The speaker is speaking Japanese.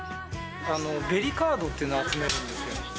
ベリカードっていうのを集めるんですよ。